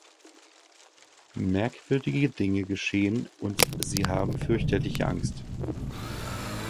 Merkwürdige Dinge geschehen und sie haben fürchterliche Angst.